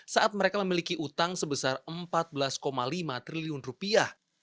saat mereka memiliki utang sebesar empat belas lima triliun rupiah